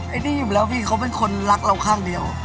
อันนี้อยู่แล้วพี่เขาเป็นคนรักเราข้างเดียว